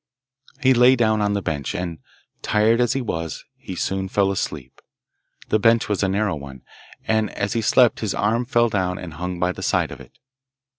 He lay down on the bench, and, tired as he was, he soon fell asleep. The bench was a narrow one, and as he slept his arm fell down and hung by the side of it.